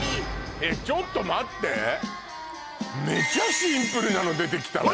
えちょっと待ってめちゃシンプルなの出てきたわよ